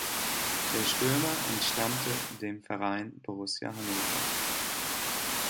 Der Stürmer entstammte dem Verein Borussia Hannover.